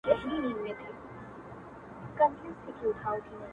ستا د پښو ترپ ته هركلى كومه ـ